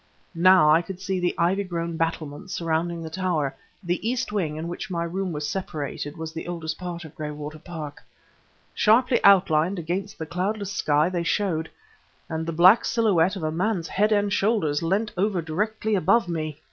Now I could see the ivy grown battlements surmounting the tower (the east wing, in which my room was situated, was the oldest part of Graywater Park). Sharply outlined against the cloudless sky they showed ... and the black silhouette of a man's head and shoulders leant over directly above me!